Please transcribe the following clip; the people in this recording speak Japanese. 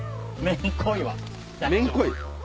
めんこい？